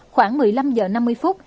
khoảng một mươi năm giờ năm mươi phút